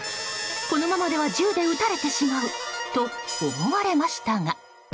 このままでは銃で撃たれてしまうと思われましたが。